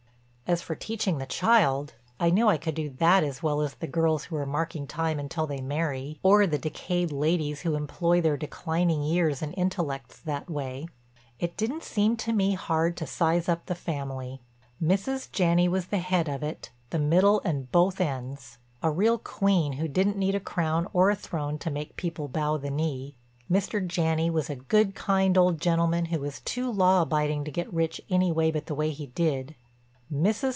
As for teaching the child, I knew I could do that as well as the girls who are marking time until they marry, or the decayed ladies who employ their declining years and intellects that way. It didn't seem to me hard to size up the family. Mrs. Janney was the head of it, the middle and both ends—a real queen who didn't need a crown or a throne to make people bow the knee. Mr. Janney was a good, kind old gentleman who was too law abiding to get rich any way but the way he did. Mrs.